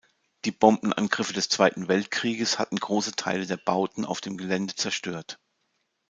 Die Bombenangriffe des Zweiten Weltkrieges hatten große Teile der Bauten auf dem Gelände zerstört.